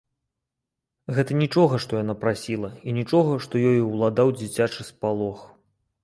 Гэта нічога, што яна прасіла, і нічога, што ёю ўладаў дзіцячы спалох.